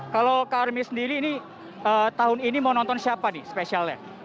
kalau kak army sendiri ini tahun ini mau nonton siapa nih spesialnya